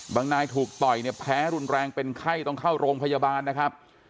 นายถูกต่อยเนี่ยแพ้รุนแรงเป็นไข้ต้องเข้าโรงพยาบาลนะครับ